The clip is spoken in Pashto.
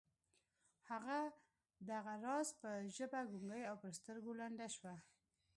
هغه دغه راز پر ژبه ګونګۍ او پر سترګو ړنده شوه